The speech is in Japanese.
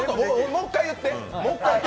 もう一回言って。